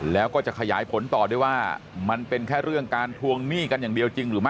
แล้วก็จะขยายผลต่อด้วยว่ามันเป็นแค่เรื่องการทวงหนี้กันอย่างเดียวจริงหรือไม่